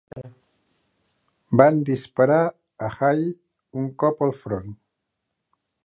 Van disparar a Hall un cop al front.